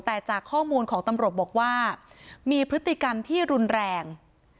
แต่จากข้อมูลของตำรวจบอกว่ามีพฤติกรรมที่รุนแรง